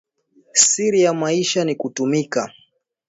Siri ya maisha ni kutumika